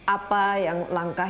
apa yang langkah